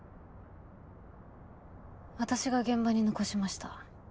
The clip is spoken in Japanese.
私が現場に残しました。